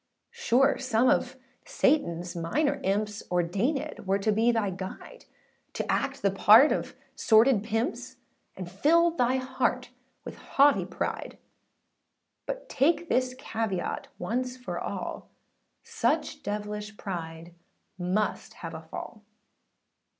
Sure some of Satanâs minor imps, Ordainèd were to be thy guide; To act the part of sordid pimps, And fill thy heart with haughty pride; But take this caveat once for all, Such devilish pride must have a fall.